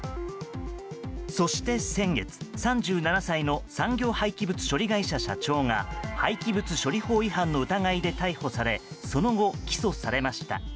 そして先月、３７歳の産業廃棄物処理会社社長が廃棄物処理法違反の疑いで逮捕されその後、起訴されました。